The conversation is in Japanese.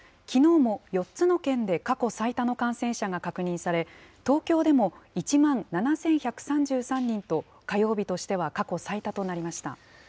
きのうも４つの県で過去最多の感染者が確認され、東京でも１万７１３３人と、火曜日としては過去最多となりました。